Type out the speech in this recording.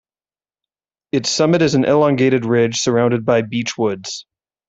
Its summit is an elongated ridge surrounded by beech woods.